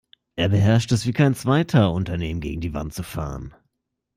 Er beherrscht es wie kein Zweiter, Unternehmen gegen die Wand zu fahren.